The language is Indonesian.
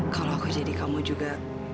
kalau aku jadi kamu juga